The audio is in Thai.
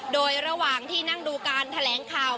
โดยระหว่างที่นั่งดูการแถลงข่าว